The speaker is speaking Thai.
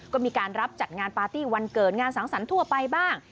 ก็มีการรับจัดงานปาร์ตี้วันเกิดงานสังสรรค์ทั่วไปบ้าง